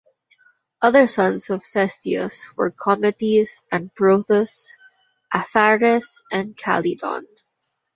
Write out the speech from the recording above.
Other sons of Thestius were Cometes and Prothous, Aphares and Calydon.